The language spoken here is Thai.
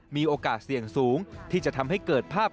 มีโอกาสเสี่ยงสูงที่จะทำให้เกิดภาพ